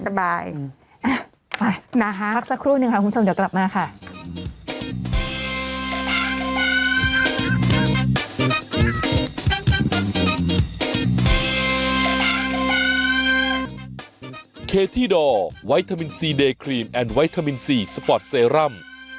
ไปมาพักสักครู่หนึ่งค่ะคุณผู้ชมเดี๋ยวกลับมาค่ะ